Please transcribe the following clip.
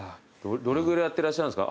どれぐらいやってらっしゃるんですか